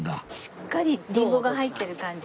しっかりリンゴが入ってる感じ。